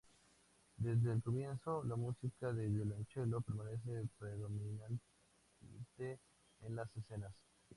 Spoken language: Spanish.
Desde el comienzo, la música de violonchelo permanece predominante en las escenas.